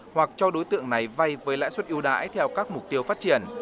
hoặc cho đối tượng này vay với lãi suất yêu đãi theo các mục tiêu phát triển